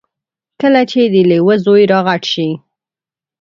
کله چې د لیوه زوی را غټ شي.